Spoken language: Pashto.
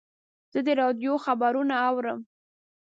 زه د راډیو خبرونه اورم.